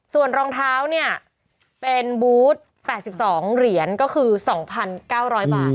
ส่วนรองเท้าเนี่ยเป็นบูธ๘๒เหรียญก็คือ๒๙๐๐บาท